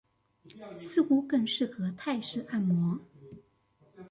似乎更適合泰式按摩